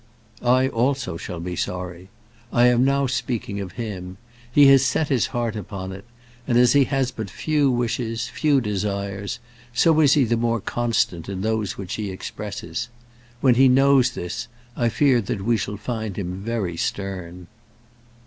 "I also shall be sorry. I am now speaking of him. He has set his heart upon it; and as he has but few wishes, few desires, so is he the more constant in those which he expresses. When he knows this, I fear that we shall find him very stern."